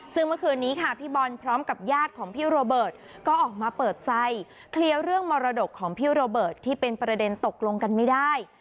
ซึ่งเมื่อคืนนี้ค่ะพี่บอลพร้อมกับญาติของพี่โรเบิร์ตก็ออกมาเปิดใจเคลียร์เรื่องมรดกของพี่โรเบิร์ตที่เป็นประเด็นตกลงกันไม่ได้